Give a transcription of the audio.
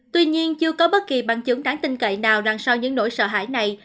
tuy nhiên chưa có bất kỳ bằng chứng đáng tin cậy nào đằng sau những nỗi sợ hãi này